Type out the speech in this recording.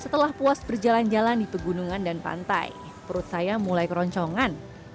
setelah puas berjalan jalan di pegunungan dan pantai perut saya mulai keroncongan